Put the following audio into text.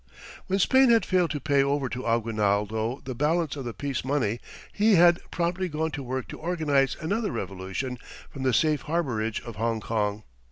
When Spain had failed to pay over to Aguinaldo the balance of the peace money, he had promptly gone to work to organize another revolution from the safe harbourage of Hongkong.